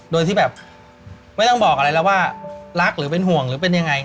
โดยที่แบบไม่ต้องบอกอะไรแล้วว่ารักหรือเป็นห่วงหรือเป็นยังไง